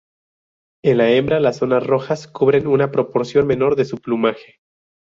En la hembra las zonas rojas cubren una proporción menor de su plumaje.